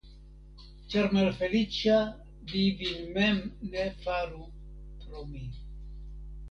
Ĉar malfeliĉa vi vin mem ne faru pro mi.